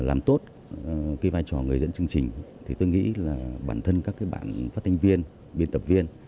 để làm tốt cái vai trò người dẫn chương trình thì tôi nghĩ là bản thân các cái bạn phát thanh viên biên tập viên